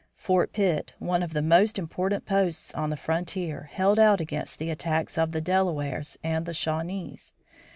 Fort Pitt, one of the most important posts on the frontier, held out against the attacks of the Delawares and the Shawnees.